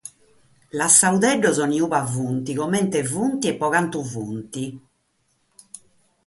Lassemus·los in ue sunt, comente sunt e pro cantu sunt.